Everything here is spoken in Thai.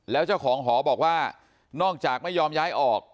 แล้วเจ้าของหอบอกว่านอกจากไม่ยอมย้ายออก